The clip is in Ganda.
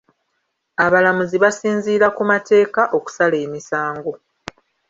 Abalamuzi basinziira ku mateka okusala emisango.